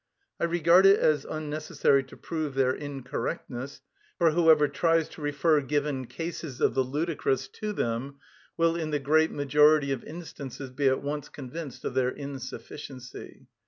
I regard it as unnecessary to prove their incorrectness, for whoever tries to refer given cases of the ludicrous to them will in the great majority of instances be at once convinced of their insufficiency.